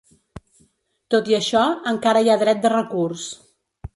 Tot i això, encara hi ha dret de recurs.